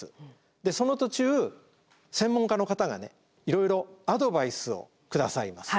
でその途中専門家の方がいろいろアドバイスを下さいます。